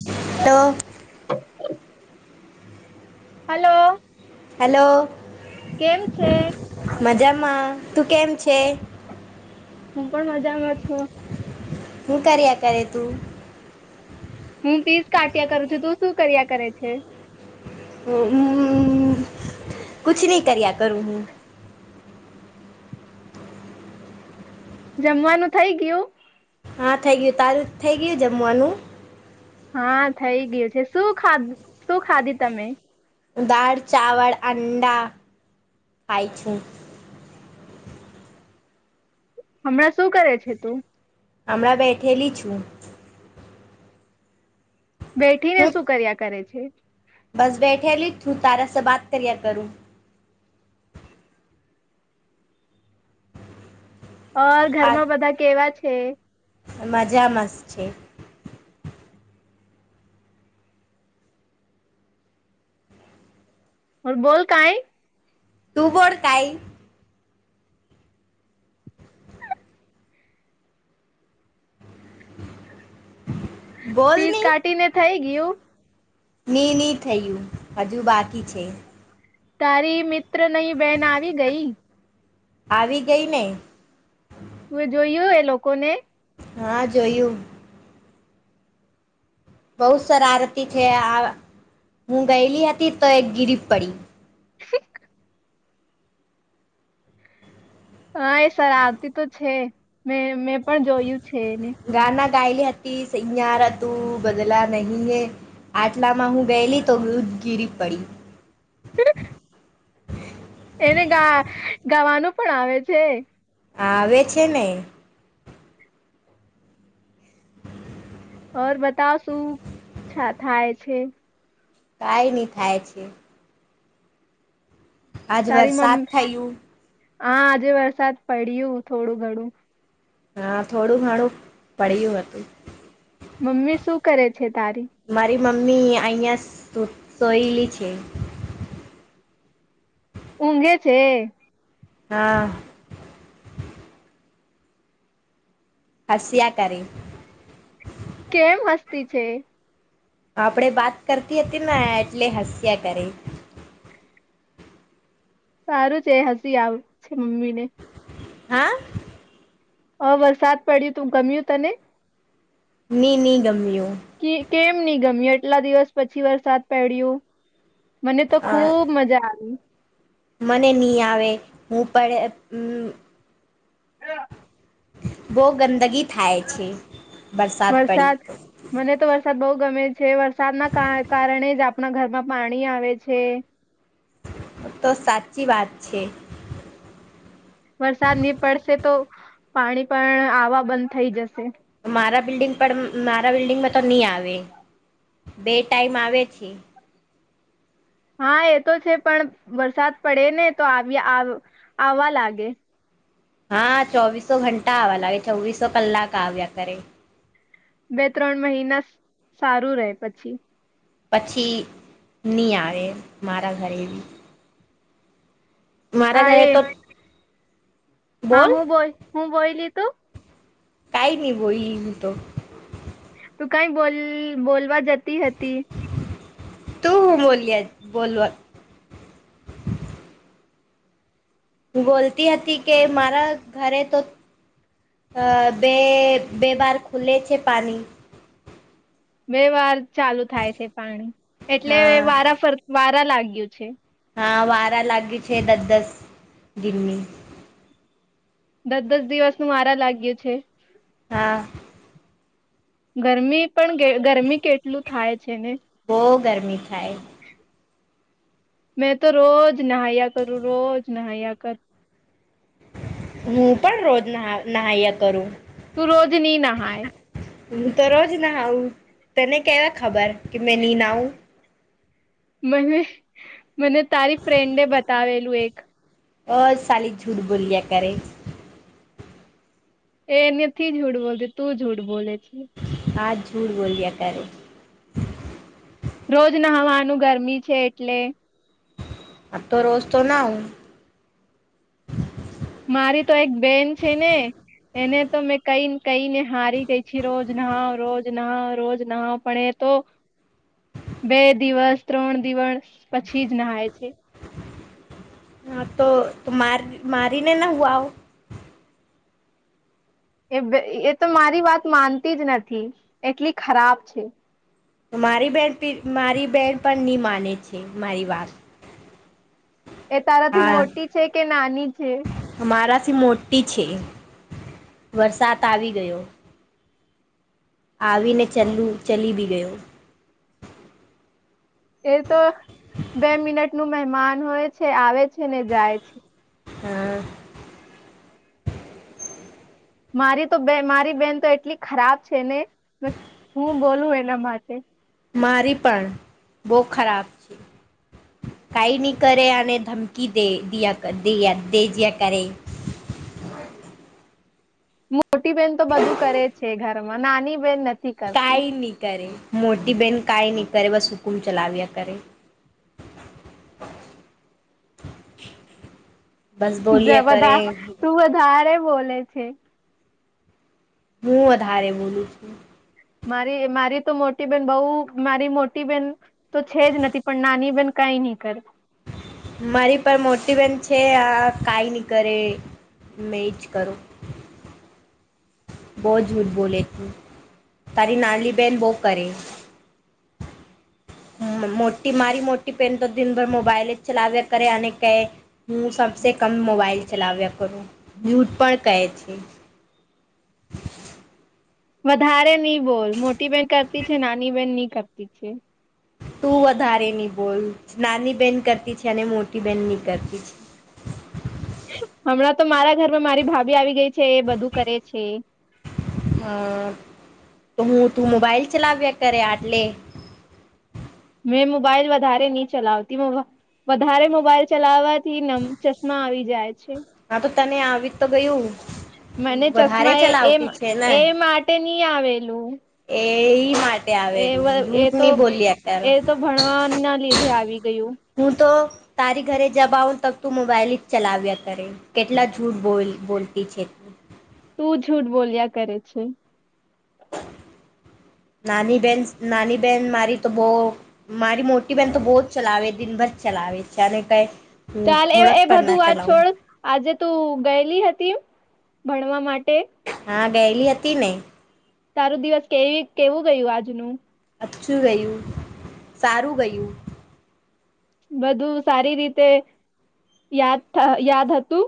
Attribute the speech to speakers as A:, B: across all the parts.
A: તો
B: હ hello
A: hello
B: કેમ છે
A: મજામાં તું કેમ છે.
B: હું પણ મજામાં છું.
A: હું કર્યા કરે તું.
B: હું પીસ કાટ્યા કરું છું તું શું કર્યા કરે છે.
A: હમ કછ નહી કર્યા કરું હું.
B: જમવાનું થઇ ગયું.
A: હા થઇ ગયું તારું થઇ ગયું જમવાનું.
B: હા થઈ ગયું છે શું ખા શું ખાધી તમે.
A: દાળ ચાવર અંડા ખાય છેું.
B: હમણાં શું કરે છે તું.
A: હણા બેઠેલી છું.
B: બેઠીને
A: હું
B: શું કર્યા કરે છે.
A: બસ બેઠે લિખ છું તારા સ બાત કર્યા કરું.
B: ઓર ઘરમાં બધા કેવા છે.
A: મજામાંસ્ છે.
B: હ બોલ કઈ.
A: તું બોડ કઈ. બોલ
B: પીસ
A: ની
B: કાઢીને થઈ ગયું.
A: ની નની થયું હજુ બાકી છે.
B: તારી મિત્ર નઈ બેન આવી ગઈ.
A: આવી ગઈ ને.
B: તું એ જોયું એ લોકોને.
A: હા જોયું. બહુ સરારતી છે આ હું ગયેલી હતી તો એક ગીરીફ પડી.
B: [unintelligible] હા એ સર આવતી તો છે મે મેં પણ જોયું છે એને.
A: ગાયલી હતી અયાર તું બદલા નહીિ હ આટલા માં હું ગયેલી તો ગિરિપડી
B: એને ગા ગાવાનું પણ આવે છે
A: આવે છે નહી
B: ઓર બતાવ શું છા થાય છે
A: કાઈ નહી ખાય છે આજ
B: તારી
A: વરસાદ
B: મમ્મી
A: થયું
B: હા આજે વરસાદ પડ્યું થોડું ઘણું
A: હા થોડું ઘણું પડ્યું હતું
B: મમ્મી શું કરે છે તારી
A: મારી મમ્મી અહિયાં સોયલી છે
B: ઊંઘે છે
A: હા હસ્યા કરી
B: કેમ હસ્તી છે
A: આપણેે વાત કરતી હતી ને એટલે હાસ્યા કર
B: સારું છે હસી આવ છે મમ્મી ને
A: હા
B: હ વરસાદ પડ્યું તું ગમ્યું તને
A: ની નની ગમ્યું
B: કેમ ગમી એટલા દિવસ પછી વરસાદ પડ્યું મને તો
A: અ
B: ખુબ મજા આવી
A: મને નહી આવે હું પણ
B: હા
A: બહુ ગંદગી થાય છે બરસાદ પડી
B: વરસાદ મને તો વરસાદ બહુ ગમે છે વરસાદના કારણે જ આપણા ઘરમાં પાણી આવે છે
A: તો સાચી વાત છે
B: વરસાદ ની પડશે તો પાણી પણ આવા બંધ થઈ જશે
A: મારા બિલ્ડિંગ પર મારા બિલ્ડિંગમાં તો નહી આવે બે ટાઈમ આવે છે
B: હા એ તો છે પણ વરસાદ પડે ને તો આવ આવવા લાગે
A: હા ચોવીસો ઘંટા આવવા લાગે ચોવીસો કલાક આવ્યા કરે
B: બે ત્રણ મહિના સારું રહે પછી
A: પછી નહી આવે મારા ઘરેની મારા
B: આ
A: ઘરે
B: એ
A: તો
B: હા હું બોલ હું બોયલી તું
A: કઈ ન બોઈ હું તો
B: તું કઈ બોલ બોલવા જતી હતી
A: તું હું બોલય બોલવા બોલતી હતી કે મારા ઘરે તો અ બે બે વાર ખુલે છે પાણી
B: બે વાર ચાલુ થાય છે પાણી એટલે
A: હા
B: વારા ફર વારા લાગ્યું છે
A: હા વારા લાગી છે દસ દસ દિલ્ની
B: દસ દસ દિવસ નું મારા લાગ્યું છે
A: હા
B: ગરમી પણ ગરમી કેટલું થાય છે ને
A: બહ ગરમી થાય
B: મેં તો રોજ નહયા કરું રોજ નહયા કર
A: હું પણ રોજ નાહયા કરું
B: તું રોજ નની નાય
A: હું તો રોજ ના તને કેવા ખબર કે મેં નિ ના આવું
B: મને મને તારી ફ્રેન્ડે બતાવેલું એક
A: અ સાલી બૂઠ બોલી્યા કરે
B: એ એનેથી જૂઠ બોલતી તું બૂઠ બોલે છે
A: આજ બૂઠ બોલ્યા કરે
B: રોજ નહવાનું ગરમી છે એટલે
A: આ તો રોજ તો ના હું
B: મારી તો એક બેન છે ને એને તો મેં કઈ કઈને હારી ગઈ છે રોજ નાહાવ રોજ નાહ રોજ નાહાવ પણ એ તો બે દિવસ ત્રણ દિવસ પછી જ નાહાય છે
A: હા તો ત મા મારીને ના હવા આવ
B: એ એ તો મારી વાત માનતી જ નથી એટલી ખરાબ છે
A: મારી બેન મારી બેહેન પણ ન માને છે મારી વાત
B: એ તારાથી
A: હા
B: મોટી છે કે નાની છે
A: મારાથી મોટી છે વરસાદ આવી ગયો આવીને ચલું ચલી બી ગયો
B: એ તો બે મિનટ નું મહેમાન હોય છે આવે છે ને જાય છે
A: હા
B: મારી તો બે મારી બેન તો એટલી ખરાબ છે ને બસ હું બોલું એના માટે
A: મારી પણ બહુ ખરાબ છે કઈ નહી કરે અને ધમકી દે દ દ દેજયા કરે
B: [inaudible] મોટી બેન તો બધું કરે છે ઘરમાં નાની બેન નથી કરતી
A: કાંઇ ની કરે મોટી બેહેન કાઈ નહી કરે બસ હુકુમ ચલાવ્યા કરે
B: [inaudible]
A: બસ બોલ્યા કરે
B: બધા
A: હું
B: તું વધારે બોલે છે
A: હું વધારે બોલું છું
B: મારી મારી તો મોટી બેન બહ મારી મોટી બેન તો છે જ નથી પણ નાની બેન કઈ નહી કર
A: મારી પર મોટી બેન છે આ કઈ નઈ કરે મેચ કરો
B: [inaudible]
A: બહું જૂઠ બોલે તું તારી નાલીબેન બો કરે મોટી મારી મોટી પેન તો દિનભર મોબાઈલ જ ચલાવ્યા કરે અને કહે હું સબસે કમ મોબાઈલ ચલાવેે કરું યુથ પણ ક [inaudible]
B: વધારે નહી બોલ મોટી બેન કરતી છે નાની બેન નહી કરતી છે
A: તું વધારે ની બોલ નાની બેહેન કરતી છે અને મોટી બેહેન ની કરતી છે
B: [inaudible] હમણાં તો મારા ઘરમાં મારી ભાભી આવી ગઈ છે એ બધું કરે છે
A: હમ તો હું તું મોબાઈલ ચલાવ્યા કરે આટલે
B: મેં મોબાઈલ વધારે નહી ચલાવતી વધારે મોબાઈલ ચલાવવાથી નમ ચશ્મા આવી જાય છે
A: હા તો તને આવી તો ગયું
B: મને
A: વધારે
B: ચશ્મા એ એ
A: ચલાવતી છે ને
B: એ માટે નહી આવેલું
A: એ માટે
B: એ
A: આવેલું
B: એ
A: જૂઠ
B: તો
A: ની બોલી અત્યારે
B: એ તો ભણવા ના લીધે આવી ગયું
A: હું તો તારી ઘરે જબ આવ ત તું મોબાઈલ જ ચલાવ્યા કરે કેટલા જૂઠ બોલ બોલતી છેત
B: તું જૂઠ બોલ્યા કરે છે
A: નાની બહેન નાની બહેન મારી તો બહ મારી મોટી બહેન તો બહુ જ ચલાવે દિનભર ચલાવે [unintelligible]
B: ચાલ એ
A: થોડાક
B: એ
A: પણ
B: બધું
A: ના
B: વાત
A: ચલાવું
B: છોડ આજે તું ગયેલી હતી ભણવા માટે
A: હા ગયેલી હતી ને
B: તારું દિવસ કેવી કેવું ગયું આજનું.
A: અછું ગયું સારું ગયું.
B: બધું સારી રીતે યાદ યાદ હતું.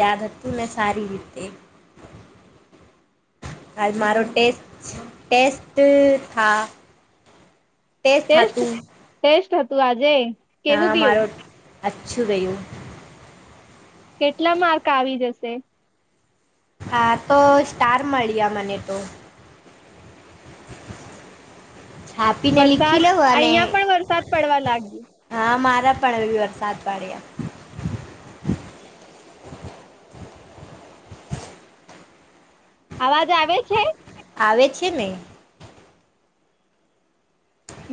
A: યાદ હત્તું ને સાારી રીતે આજ મારો ટેસ્ટ ટેસ્ટસ્ટ થા
B: ટેસ્ટ ટેસ્ટ હતું આજે? કેવું
A: હા
B: ગયું
A: મારું અ્છું ગયું.
B: કેટલા માર્ક આવી જશે
A: હા તો સ્ટાર મળી્યા મને તો
B: [inaudible]
A: છાપીને લીખી
B: વરસાદ
A: લઉં અને
B: અહીંયા પણ વરસાદ પડવા લાગ્યું.
A: હા મારા વરસાદ પડ્યા
B: અવાજ આવે છે
A: આવે છે ને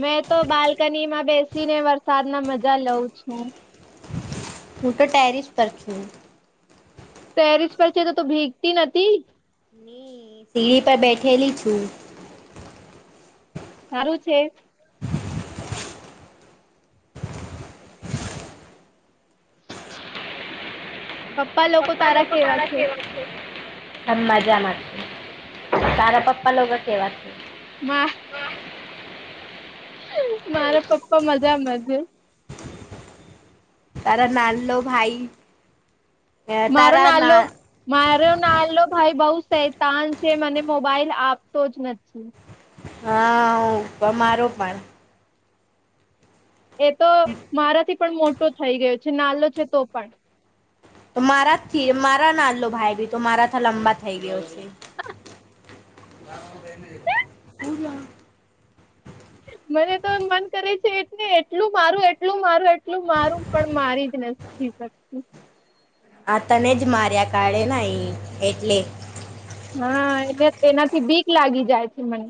B: મેં તો બાલ્કની માં બેસી ને વરસાદ ના મજા લઉં છું
A: હું તો ટેરિસ પર કુમ
B: પેરિસ પર છે તો તો ભીગતી નથી
A: સીડી પર બેઠેલી છું
B: સારું છે પપ્પા લોકો તારા કેવા છે
A: મ મજામાં. તારા પપ્પા લોકો કેવા છે?
B: વાહ મારા પપ્પા મજામાંજ
A: તારા નાનલો ભાઈ
B: મારો
A: તારા
B: નાલો
A: ના
B: મારો નાલો ભાઈ બઉ સે તાન છે મને મોબાઈલ આપતો જ નથી.
A: હા અમારો પણ
B: એ તો મારાથી પણ મોટો થઈ ગયો છે નાલો છે તો પણ
A: તો મારાથી મારા નાડલો ભાઈ ભી તો મારા ત લંબા થઈ ગયો છે ના [unintelligible]
B: મને તો મન કરે છે એટ એટલું મારું એટલું મારું એટલું મારું પણ મારી જ નથી શકતું
A: આ તને જ માર્યા કાઢે ન એટલે
B: હા એને એનાથી બીક લાગી જાય છે મને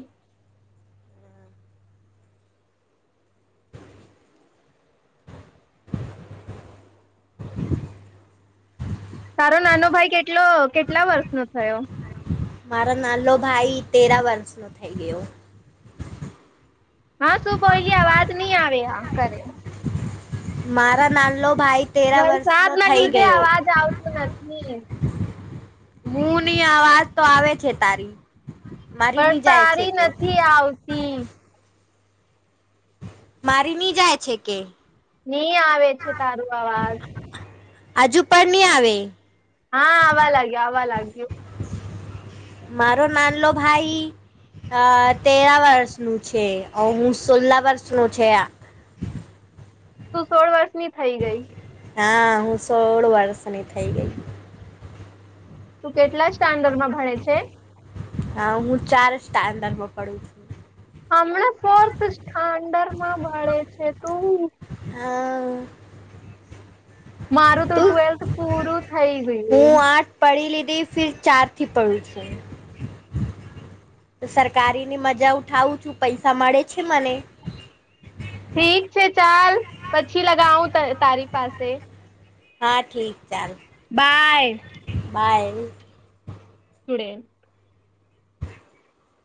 B: તારો નાનો ભાઈ કેટલો કેટલા વર્ષ નો થયો
A: મારો નાલો ભાઈ તેરા વર્ષ ન થઈ ગયો
B: હા શુંભોલી આવાજ નહી આવે આ કરે
A: મારા ના લો ભાઈ તેરા વર્ષ
B: વરસાદ
A: નો
B: ના
A: થઈ
B: લીધે
A: ગયો.
B: અવાજ આવતું નથી
A: હું ની આવાજ તો આવે છે તારી મારી
B: પણ
A: ની જાય છે
B: તારી
A: કે
B: નથી આવતી
A: મારી નહી જાય છે કે
B: ની આવે છે તારું અવાજ
A: હજુ પણ નહી આવે
B: હા આવવા લાગ્યા આવવા લાગ્યું
A: મારો નાનલો ભાઈ અ તેરા વર્ષનુંું છે હું સોલા વર્ષનું છે.
B: તું સોળ વર્ષની થઈ ગઈ.
A: હા હું સોળ વર્ષની થઈ ગઈ.
B: તું કેટલા સ્ટાન્ડર્ડમાં ભણે છે.
A: હા હું ચાર સ્ટાન્ડમાં પડું છું.
B: હમણાં ફોર્થડરમાં મળે છે ત.
A: હા.
B: મારું તો
A: તું
B: ટ્વેલ્થ પૂરું. થઈ ગયું
A: હું આઠ પડી લીધી ફિર ચાર થી પડું છું. સરકારી ની મજા ઉઠાવું છું પૈસા મળે છે મને.
B: ઠીક છે ચાલ પછી લગાવું તારી પાસે.
A: હા ઠીક ચાલ.
B: બાય.
A: બર.
B: સુુડે